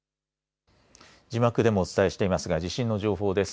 字幕でもお伝えしていますが地震の情報です。